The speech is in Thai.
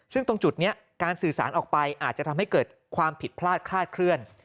ซึ่งตรงจุดนี้การสื่อสารออกไปอาจจะทำให้เกิดความผิดพลาดคลาดเคลื่อน